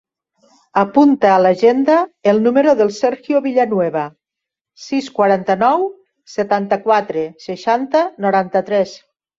Apunta a l'agenda el número del Sergio Villanueva: sis, quaranta-nou, setanta-quatre, seixanta, noranta-tres.